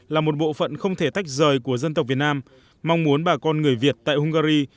là một bộ phận không thể tách rời của dân tộc việt nam mong muốn bà con người việt tại hungary